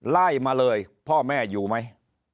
ไล่มาเลยพ่อแม่อยู่ไหม